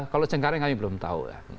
kalau cengkareng kami belum tahu ya